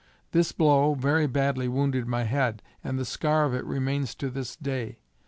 This blow very badly wounded my head, and the scar of it remains to this day.